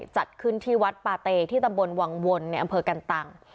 จัดขึ้นที่วัดปาเตที่ตำบลวังวลในอำเภอกันตัง